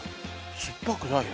酸っぱくないな。